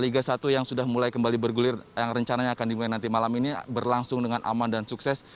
liga satu yang sudah mulai kembali bergulir yang rencananya akan dimulai nanti malam ini berlangsung dengan aman dan sukses